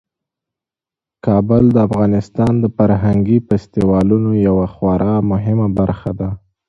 کابل د افغانستان د فرهنګي فستیوالونو یوه خورا مهمه برخه ده.